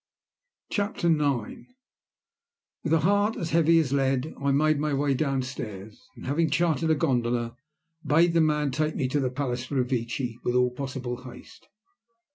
CHAPTER IX With a heart as heavy as lead I made my way down stairs, and having chartered a gondola, bade the man take me to the Palace Revecce with all possible haste.